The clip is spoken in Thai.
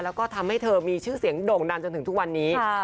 แล้วก็ทำให้เธอมีชื่อเสียงโด่งดังจนถึงทุกวันนี้